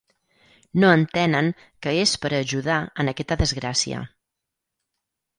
No entenen que és per a ajudar en aquesta desgràcia.